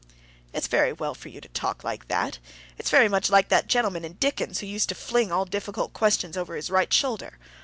"It's very well for you to talk like that; it's very much like that gentleman in Dickens who used to fling all difficult questions over his right shoulder.